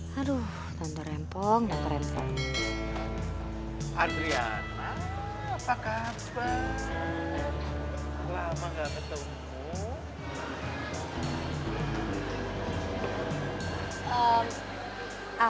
hanya sekomicu ya